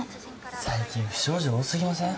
最近不祥事多すぎません？